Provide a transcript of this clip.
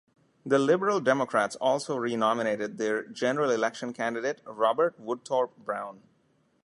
The Liberal Democrats also renominated their general election candidate, Robert Woodthorpe Browne.